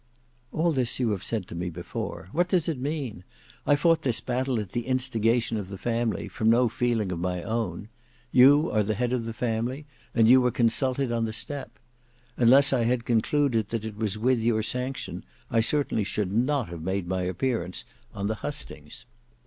"All this you have said to me before. What does it mean? I fought this battle at the instigation of the family, from no feeling of my own. You are the head of the family and you were consulted on the step. Unless I had concluded that it was with your sanction, I certainly should not have made my appearance on the hustings."